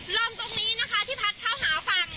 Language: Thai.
ลมตรงนี้นะคะที่พัดเข้าหาฝั่ง